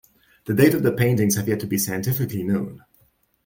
The date of the paintings have yet to be scientifically known.